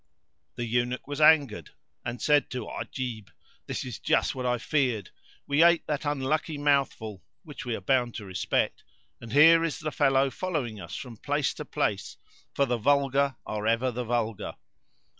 The Eunuch was angered and said to Ajib, "This is just what I feared! we ate that unlucky mouthful (which we are bound to respect), and here is the fellow following us from place to place; for the vulgar are ever the vulgar."